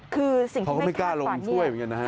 คือสิ่งที่เค้าไม่กล้าลงช่วยเหมือนกันนะครับ